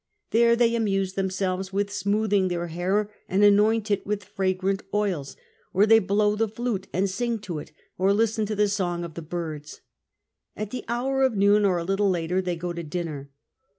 There they amuse themselves with smooUiing their hair and anoint it with fragrant oils ; or they blow the flute and sing to it, or listen to the song of the birds. At the hour of noon, or a little later, they go to dinner.